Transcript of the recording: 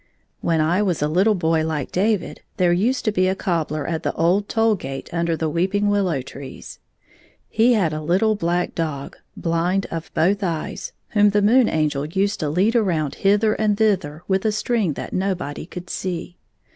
When I was a little boy like David there used 15 to be a cobbler at the old toll gate under the weeping willow trees. He had a little black dog, blind of both eyes, whom the Moon Angel used to lead around hither and thither with a string that nobody could see.